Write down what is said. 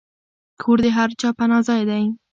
کور د هر چا پناه ځای دی.